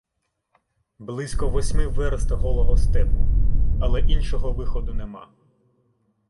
Близько восьми верст голого степу! Але іншого виходу нема.